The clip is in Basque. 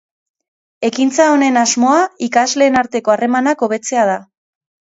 Ekintza honen asmoa ikasleen arteko harremanak hobetzea da.